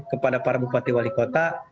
kepada para bupati wali kota